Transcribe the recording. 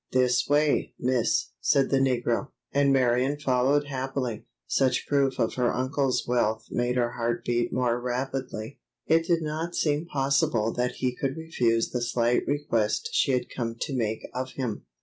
"This way, miss," said the negro, and Marion followed happily. Such proof of her uncle's wealth made her heart beat more rapidly. It did not seem possible that he could refuse the slight request she had come to make of him.